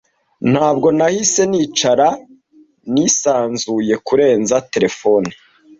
Ntabwo nahise nicara nisanzuye kurenza telefone.